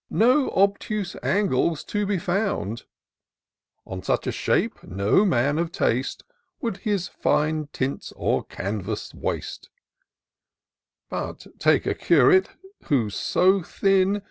No obtuse angle's to be found, On such a shape no man of taste Would his fine tints or canvass waste ; But take a curate, who*s so thin.